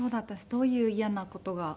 どういう嫌な事が。